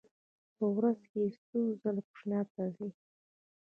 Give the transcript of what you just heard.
په ورځ کې څو ځله تشناب ته ځئ؟